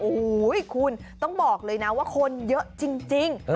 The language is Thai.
โอ้โหคุณต้องบอกเลยนะว่าคนเยอะจริง